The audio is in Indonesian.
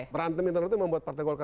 berantem internal itu membuat partai golkar